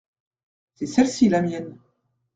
C’est celle-ci la mienne.